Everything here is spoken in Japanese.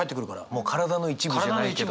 もう体の一部じゃないけど。